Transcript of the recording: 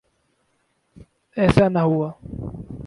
ایسا نہ ہوا۔